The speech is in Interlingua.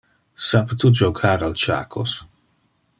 Sape tu jocar al chacos?